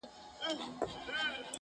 زه چی هرڅومره زړېږم دغه فکر مي زیاتیږي-